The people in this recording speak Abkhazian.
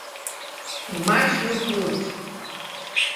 Имаҷҩуп урҭ!